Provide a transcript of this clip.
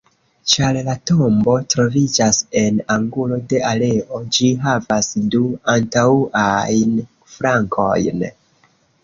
Ĉar la tombo troviĝas en angulo de aleo, ĝi havas du antaŭajn flankojn.